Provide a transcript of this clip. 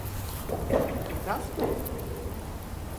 Takas mı?